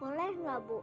boleh gak bu